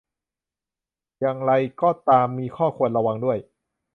อย่างไรก็ตาม มีข้อควรระวังด้วย